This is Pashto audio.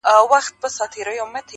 ته پوهیږې د ابا سیوری دي څه سو؟ -